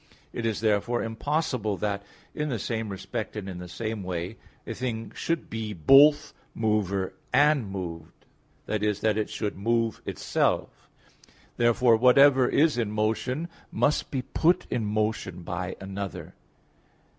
It is therefore impossible that in the same respect and in the same way a thing should be both mover and moved, i.e. that it should move itself. Therefore, whatever is in motion must be put in motion by another.